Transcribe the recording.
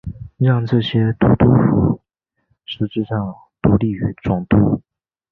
让这些都督府实质上独立于总督。